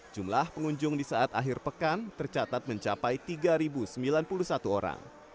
jumlah pengunjung di saat akhir pekan tercatat mencapai tiga sembilan puluh satu orang